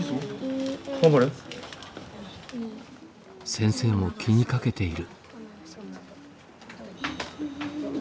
先生も気にかけている。